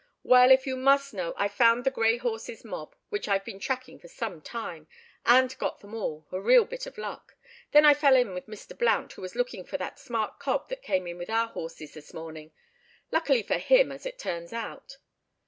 "Well, if you must know, I found the grey horse's mob, which I've been tracking for some time—and got them all—a real bit of luck. Then I fell in with Mr. Blount, who was looking for that smart cob that came in with our horses this morning. Luckily for him, as it turns out."